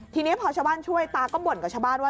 ทีนี้พอชาวบ้านช่วยตาก็บ่นกับชาวบ้านว่า